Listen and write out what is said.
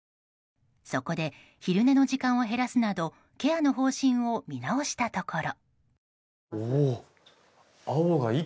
そこで昼寝の時間を減らすなどケアの方針を見直したところ。